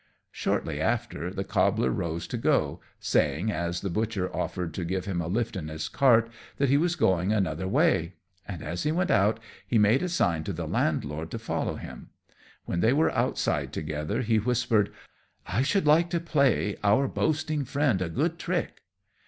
Shortly after, the cobbler rose to go, saying, as the butcher offered to give him a lift in his cart, that he was going another way; and as he went out, he made a sign to the landlord to follow him. When they were outside together he whispered, "I should like to play our boasting friend a good trick."